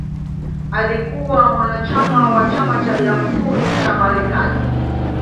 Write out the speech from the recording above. Alikuwa mwanachama wa Chama cha Jamhuri cha Marekani.